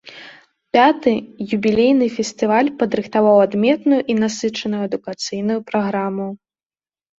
Пяты, юбілейны, фестываль падрыхтаваў адметную і насычаную адукацыйную праграму.